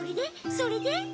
それで？